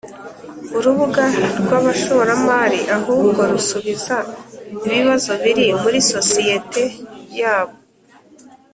Urubuga rw,abashoramali ahubwo rusubiza ibibazo biri muri sociyeti yabo